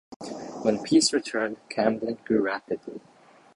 When peace returned, Camden grew rapidly.